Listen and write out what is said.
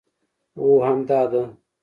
هو همدا ده